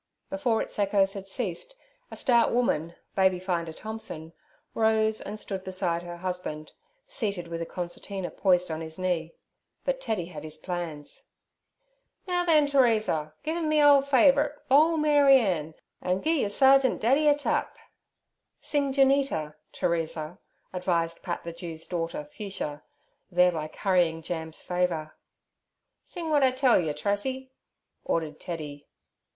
Before its echoes had ceased, a stout woman, Babyfinder Thompson, rose and stood beside her husband, seated with a concertina poised on his knee. But Teddy had his plans. 'Now then, Teresa, giv' 'em me old favourite, "Bole Maryann," an' gi' yer Sergeant Daddy a tap.' 'Sing "Jewnita," Teresa' advised Pat the Jew's daughter Fuchsia, thereby currying Jam's favour. 'Sing w'at I tell yer, Tressy' ordered Teddy.